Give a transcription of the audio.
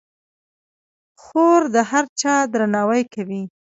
خور د هر چا درناوی کوي.